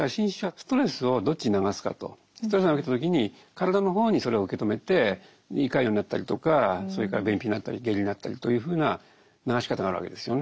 ストレス受けた時に体の方にそれを受け止めて胃潰瘍になったりとかそれから便秘になったり下痢になったりというふうな流し方があるわけですよね。